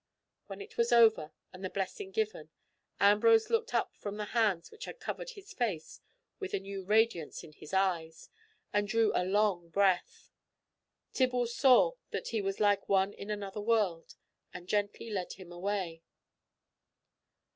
When it was over, and the blessing given, Ambrose looked up from the hands which had covered his face with a new radiance in his eyes, and drew a long breath. Tibble saw that he was like one in another world, and gently led him away.